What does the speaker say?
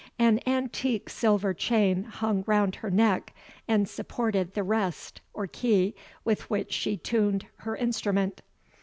An antique silver chain hung round her neck, and supported the WREST, or key, with which she turned her instrument.